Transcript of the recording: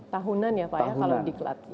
tahunan ya pak ya kalau diklat